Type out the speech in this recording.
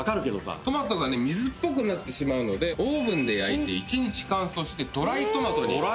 トマトがね水っぽくなってしまうのでオーブンで焼いて１日乾燥してドライトマトに。